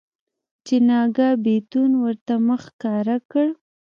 چې ناګاه بيتون ورته مخ ښکاره کړ.